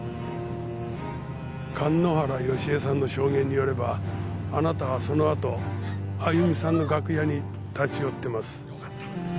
神之原芳江さんの証言によればあなたはそのあと歩美さんの楽屋に立ち寄ってます。